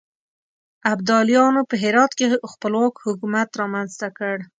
ابدالیانو په هرات کې خپلواک حکومت رامنځته کړ.